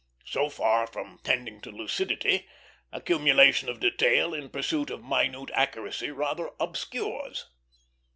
So far from tending to lucidity, accumulation of detail in pursuit of minute accuracy rather obscures.